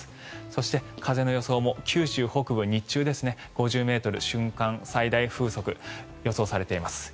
そして、風の予想も九州北部日中５０ｍ、最大瞬間風速が予想されています。